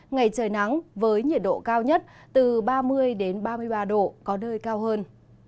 ngày trời nắng với nhiệt độ cao nhất từ ba mươi ba mươi ba độ có nơi cao hơn